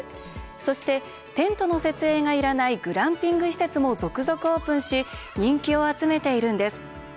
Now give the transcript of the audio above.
そして、テントの設営がいらないグランピング施設も続々オープンし人気を集めているんです。